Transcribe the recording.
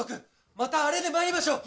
またあれで参りましょう。